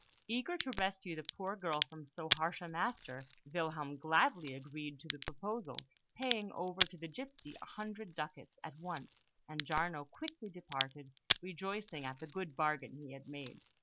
Eager to rescue the poor girl from so harsh a master, Wilhelm gladly agreed to the proposal, paying over to the gipsy a hundred ducats at once; and Giarno quickly departed, rejoicing at the good bargain he had made.